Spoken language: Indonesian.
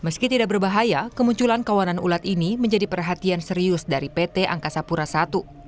serius dari pt angkasa pura i